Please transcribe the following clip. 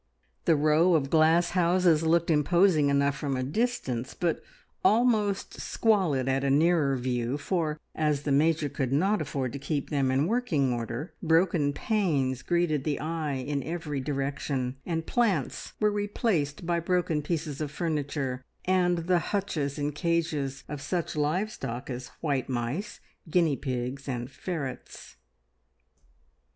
The row of glass houses looked imposing enough from a distance, but almost squalid at a nearer view, for, as the Major could not afford to keep them in working order, broken panes greeted the eye in every direction, and plants were replaced by broken pieces of furniture and the hutches and cages of such live stock as white mice, guinea pigs, and ferrets.